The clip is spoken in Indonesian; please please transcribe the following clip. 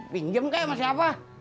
pinjam kaya sama siapa